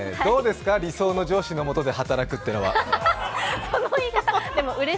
ええ、どうですか、理想の上司のもとで働くってのは。